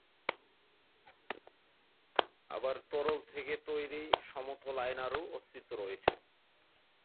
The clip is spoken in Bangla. আবার, তরল থেকে তৈরি সমতল আয়নার-ও অস্তিত্ব রয়েছে।